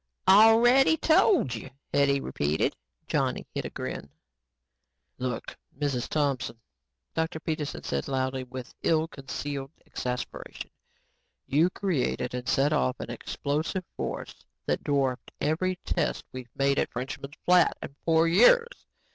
"Already told you," Hetty repeated. Johnny hid a grin. "Look, Mrs. Thompson," Dr. Peterson said loudly and with ill concealed exasperation, "you created and set off an explosive force that dwarfed every test we've made at Frenchman's Flat in four years.